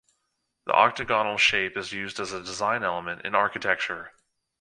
The octagonal shape is used as a design element in architecture.